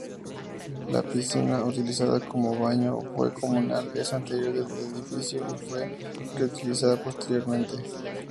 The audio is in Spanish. La piscina, utilizada como baño comunal, es anterior al edificio y fue reutilizada posteriormente.